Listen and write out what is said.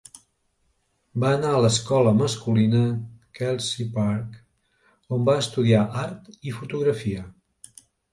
Va anar a l'Escola masculina Kelsey Park, on va estudiar art i fotografia.